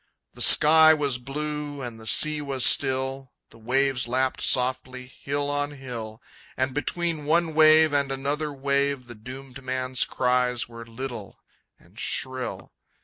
The sky was blue, and the sea was still, The waves lapped softly, hill on hill, And between one wave and another wave The doomed man's cries were little and shrill.